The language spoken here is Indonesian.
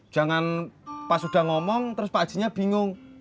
jangan pas udah ngomong terus pak hajinya bingung